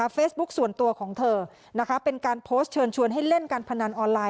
เฟซบุ๊คส่วนตัวของเธอนะคะเป็นการโพสต์เชิญชวนให้เล่นการพนันออนไลน